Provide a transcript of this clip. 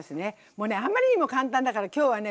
もうねあんまりにも簡単だから今日はね